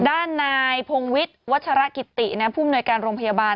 ด้านนายพงวิทย์วัชรกิติผู้มนวยการโรงพยาบาล